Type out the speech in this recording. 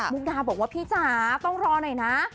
กดาบอกว่าพี่จ๋าต้องรอหน่อยนะ